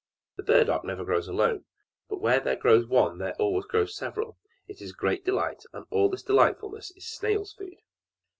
The burdock never grows alone, but where there grows one there always grow several: it is a great delight, and all this delightfulness is snails' food.